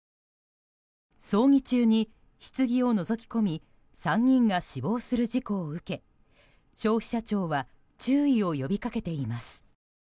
葬儀中にひつぎをのぞき込み３人が死亡する事故を受け消費者庁は注意を呼びかけています。